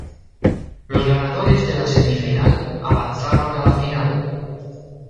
Los ganadores de la semifinal avanzaron a la Final.